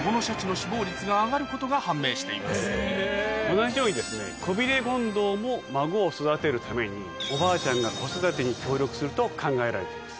同じようにコビレゴンドウも孫を育てるためにおばあちゃんが子育てに協力すると考えられています。